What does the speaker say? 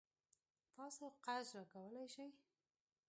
تاسو قرض راکولای شئ؟